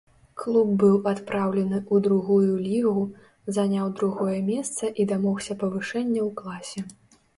Клуб быў адпраўлены ў другую лігу, заняў другое месца і дамогся павышэння ў класе.